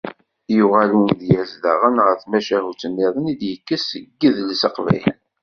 Yuɣal umdyaz daɣen ɣer tmacahut nniḍen i d-yekkes seg yidles aqbayli.